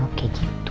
oh keki baru tau